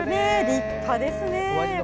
立派ですね。